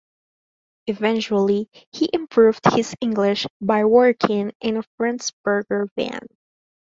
Eventually, he improved his English by working in a friend's burger van.